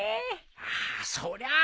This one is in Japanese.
ああそりゃあ